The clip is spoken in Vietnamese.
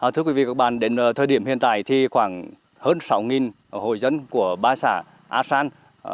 thưa quý vị các bạn đến thời điểm hiện tại thì khoảng hơn sáu hội dân của ba xã a san